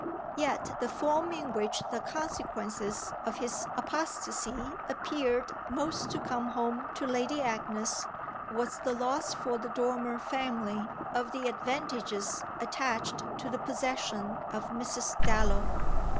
Yet the form in which the consequences of his apostasy appeared most to come home to Lady Agnes was the loss for the Dormer family of the advantages attached to the possession of Mrs. Dallow.